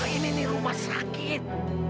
ini rumah sakit